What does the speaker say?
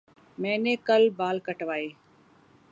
میں نے کل بال کٹوائے